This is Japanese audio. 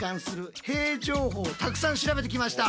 たくさん調べてきました！